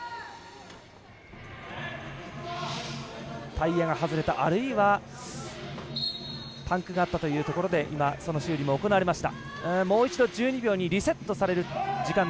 タイヤが外れた、あるいはパンクがあったというところで今、その修理も行われました。